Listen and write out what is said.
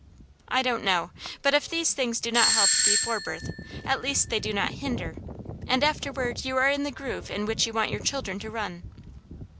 I don't know; but if these things do not help before birth, at least they do not hinder; and afterward, you are in the groove in which you want your children to run.